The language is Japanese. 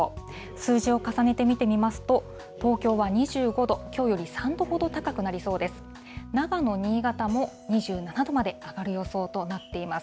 数字を重ねて見てみますと、東京は２５度、きょうより３度ほど高くなりそうです。